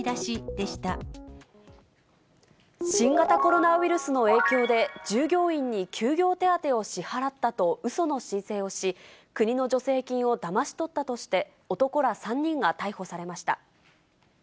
新型コロナウイルスの影響で、従業員に休業手当を支払ったとうその申請をし、国の助成金をだまし取ったとして、男ら３人が逮捕されました。